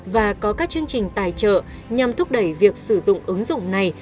và có các chương trình tài trợ nhằm thúc đẩy việc sử dụng ứng dụng này